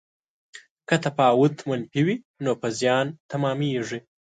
که تفاوت منفي وي نو په زیان تمامیږي.